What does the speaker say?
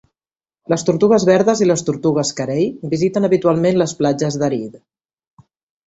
Les tortugues verdes i les tortugues carei visiten habitualment les platges d'Aride.